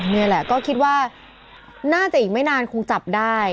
นี่แหละก็คิดว่าน่าจะอีกไม่นานคงจับได้